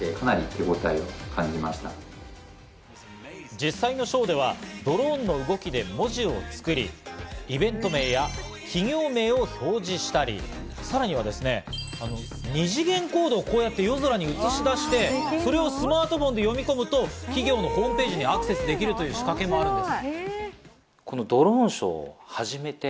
実際のショーではドローンの動きで文字を作り、イベント名や企業名を表示したり、さらには二次元コードを夜空に映し出して、それをスマートフォンで読み込むと、企業のホームページへアクセスできるという仕掛けもあるんです。